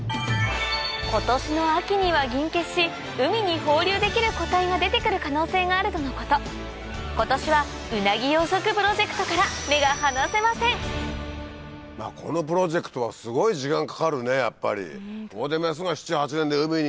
今年の秋には銀化し海に放流できる個体が出てくる可能性があるとのこと今年はウナギ養殖プロジェクトからこのプロジェクトはすごい時間かかるねやっぱり。